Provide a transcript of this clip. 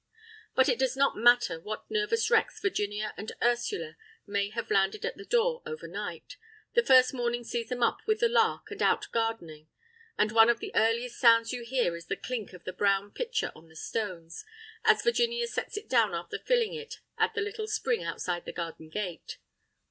But it does not matter what nervous wrecks Virginia and Ursula may have landed at the door overnight, the first morning sees them up with the lark and out gardening; and one of the earliest sounds you hear is the clink of the brown pitcher on the stones, as Virginia sets it down after filling it at the little spring outside the garden gate.